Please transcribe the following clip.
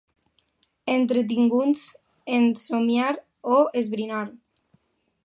Entretinguts en somniar o esbrinar.